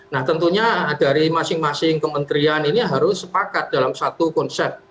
nah tentunya dari masing masing kementerian ini harus sepakat dalam satu konsep